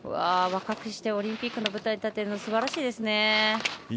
若くしてオリンピックの舞台に立てるのはすばらしいですね。